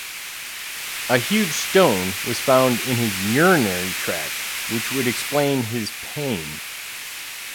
A huge stone was found in his urinary tract, which would explain his pain.